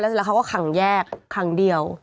แล้วเขาก็ขังแยกครั้งเดียว